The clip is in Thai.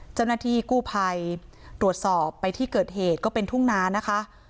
เจ้าหน้าที่กู้ภัยตรวจสอบไปที่เกิดเหตุก็เป็นทุ่งนานะคะ